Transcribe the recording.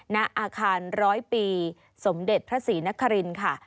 ณอาคารร้อยปีสมเด็จพระศรีนครินค่ะ